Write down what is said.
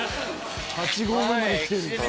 「８合目まで来てる」